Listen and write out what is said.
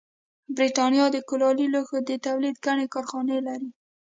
برېټانیا د کولالي لوښو د تولید ګڼې کارخانې لرلې